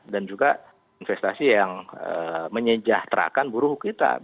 juga investasi yang menyejahterakan buruh kita